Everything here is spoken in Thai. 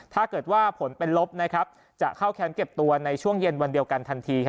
ถ้าเกิดว่าผลเป็นลบจะเข้าแคมป์เก็บตัวในช่วงเย็นวันเดียวกันทันที